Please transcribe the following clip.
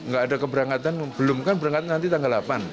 nggak ada keberangkatan belum kan berangkat nanti tanggal delapan